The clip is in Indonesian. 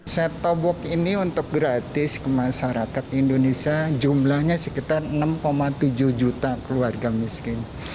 setobox ini untuk gratis ke masyarakat indonesia jumlahnya sekitar enam tujuh juta keluarga miskin